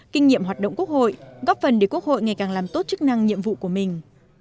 kinh nghiệm hoạt động quốc hội góp phần để quốc hội ngày càng làm tốt chức năng nhiệm vụ của mình